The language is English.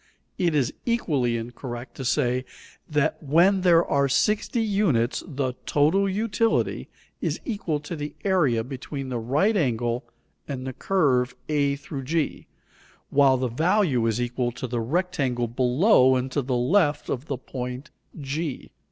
It is equally incorrect to say that when there are 60 units the "total utility" is equal to the area between the right angle and the curve a g, while the value is equal to the rectangle below and to the left of the point g.